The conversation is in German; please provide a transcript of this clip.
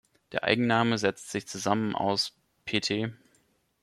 Der Eigenname setzt sich zusammen aus pt.